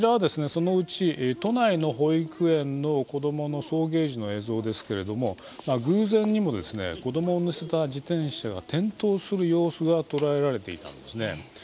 そのうち都内の保育園の子供の送迎時の映像ですけれども偶然にもですね子供を乗せた自転車が転倒する様子が捉えられていたんですね。